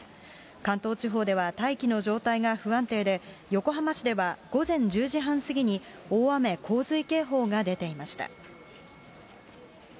関東地方では大気の状態が不安定で、横浜市では午前１０時半過ぎに大雨洪水警報が出ていました。